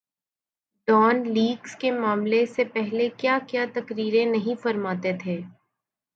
Dawn leaks کے معاملے سے پہلے کیا کیا تقریریں نہیں فرماتے تھے۔